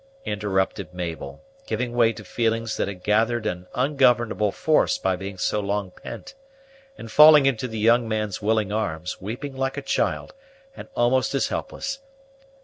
interrupted Mabel, giving way to feelings that had gathered an ungovernable force by being so long pent, and falling into the young man's willing arms, weeping like a child, and almost as helpless.